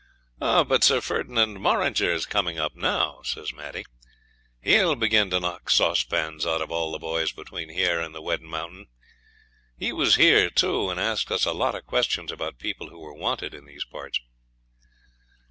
'Ah! but Sir Ferdinand Morringer's come up now,' says Maddie. 'He'll begin to knock saucepans out of all the boys between here and Weddin Mountain. He was here, too, and asked us a lot of questions about people who were "wanted" in these parts.'